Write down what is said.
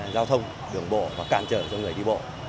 giao thông đường bộ và cản trở cho người đi bộ